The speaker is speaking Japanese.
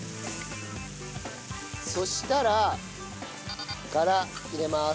そしたらがら入れます。